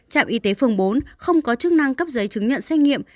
trạm y tế phường bốn không có chức năng cấp giấy chứng nhận xét nghiệm